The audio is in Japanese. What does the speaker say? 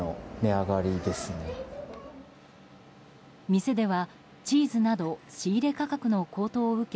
店ではチーズなど仕入れ価格の高騰を受け